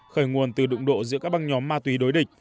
khởi nguồn từ đụng độ giữa các băng nhóm ma túy đối địch